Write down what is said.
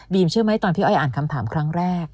เชื่อไหมตอนที่อ้อยอ่านคำถามครั้งแรก